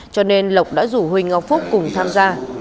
cho nên lộc đã rủ huỳnh ngọc phúc cùng tham gia